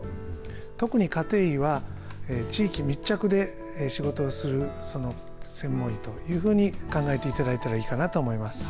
特に家庭医は地域密着で仕事をする専門医というふうに考えていただいたらいいかな